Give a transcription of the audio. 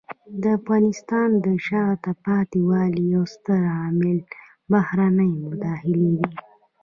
د افغانستان د شاته پاتې والي یو ستر عامل بهرنۍ مداخلې دي.